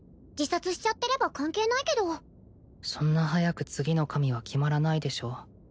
自殺しちゃってれば関係ないけどそんな早く次の神は決まらないでしょ？